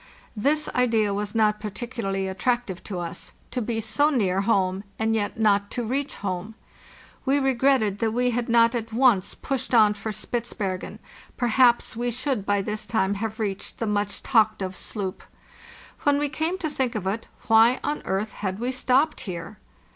~This idea was not particularly attractive to us—to be so near home and yet not to reach home. We regretted that we had not at once pushed on for Spitzbergen; per haps we should by this time have reached the much talked of sloop. When we came to think of it, why on earth had we stopped here?